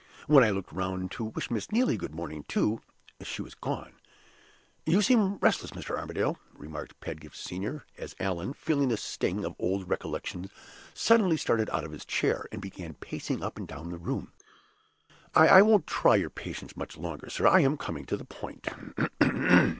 When I looked round to wish Miss Neelie good morning, too, she was gone. You seem restless, Mr. Armadale," remarked Pedgift Senior, as Allan, feeling the sting of old recollections, suddenly started out of his chair, and began pacing up and down the room. "I won't try your patience much longer, sir; I am coming to the point."